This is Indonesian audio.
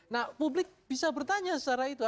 nah publik bisa bertanya secara itu